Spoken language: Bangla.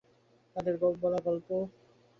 তাদের বলা গল্প!